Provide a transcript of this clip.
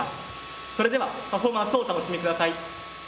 それではパフォーマンスをお楽しみ下さい。